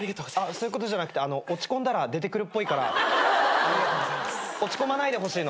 そういうことじゃなくて落ち込んだら出てくるっぽいから落ち込まないでほしいの。